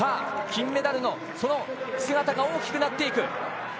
金メダルのその姿が大きくなっていく。